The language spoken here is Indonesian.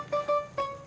pasang di rumah tutik